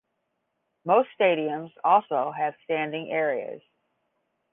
Most stadiums also have standing areas.